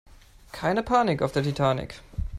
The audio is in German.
Keine Panik auf der Titanic!